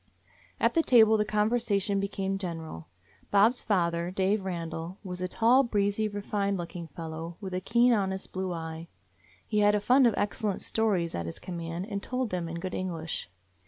At the table the conversation became gen eral. Bob's father, Dave Randall, was a tall, breezy, refined looking fellow, with a keen, honest blue eye. He had a fund of excellent stories at his command and told them in good English.